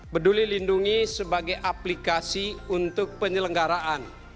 peduli lindungi sebagai aplikasi untuk penyelenggaraan